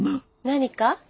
何か？